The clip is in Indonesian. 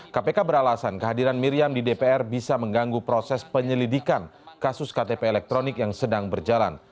kpk beralasan kehadiran miriam di dpr bisa mengganggu proses penyelidikan kasus ktp elektronik yang sedang berjalan